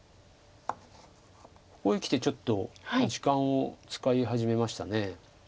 ここへきてちょっと時間を使い始めました。